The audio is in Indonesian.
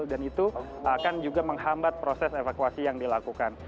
dan itu akan juga menghambat proses evakuasi yang dilakukan